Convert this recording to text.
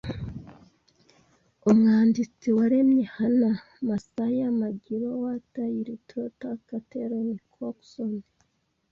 Umwanditsi waremye Hannah Massay Maggie Rowan Tillie Trotter Catherine Cookson